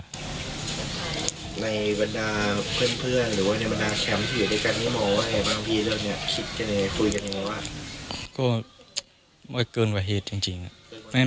ในบรรดาเพื่อนหรือว่าในบรรดาแชมพ์ที่อยู่ด้วยกัน